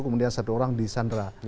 kemudian satu orang disandera